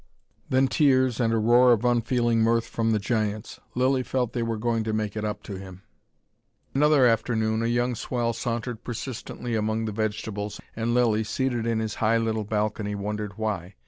Then tears, and a roar of unfeeling mirth from the giants. Lilly felt they were going to make it up to him. Another afternoon a young swell sauntered persistently among the vegetables, and Lilly, seated in his high little balcony, wondered why.